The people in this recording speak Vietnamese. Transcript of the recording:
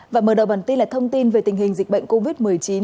và mở đầu bản tin là thông tin về tình hình dịch bệnh covid một mươi chín